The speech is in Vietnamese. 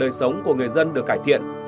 đời sống của người dân được cải thiện